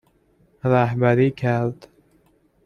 رهبری کرد